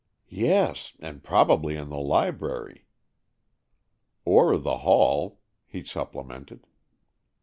"Yes, and probably in the library." "Or the hall," he supplemented.